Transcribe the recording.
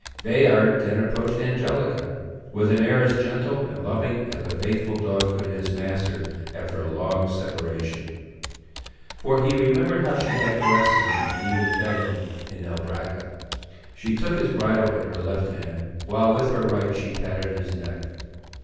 Bayard then approached Angelica with an air as gentle and loving as a faithful dog could his master after a long separation. For he remembered how she had caressed him, and even fed him, in Albracca. She took his bridle in her left hand, while with her right she patted his neck.